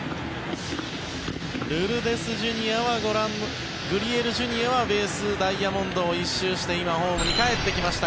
ルルデス・グリエルＪｒ．はベース、ダイヤモンドを１周して今、ホームにかえってきました。